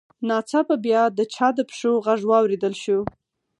ناڅاپه بیا د چا د پښو غږ واورېدل شو